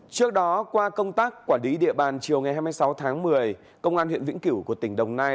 trước đó qua công tác quản lý địa bàn chiều ngày hai mươi sáu tháng một mươi công an huyện vĩnh cửu của tỉnh đồng nai